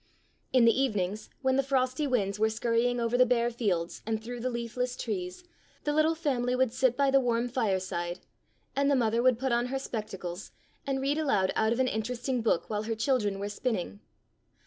In the evenings, when the frosty winds were scurrying over the bare fields and through the leafless trees, the little family would sit by the warm fireside, and the mother would put on her spectacles and read aloud out of an interesting book while her children were spinning.